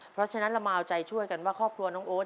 เพราะฉะนั้นเรามาเอาใจช่วยกันว่าครอบครัวน้องโอ๊ต